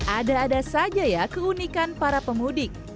ada ada saja ya keunikan para pemudik